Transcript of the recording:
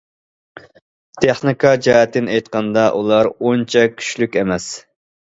تېخنىكا جەھەتتىن ئېيتقاندا، ئۇلار ئۇنچە كۈچلۈك ئەمەس.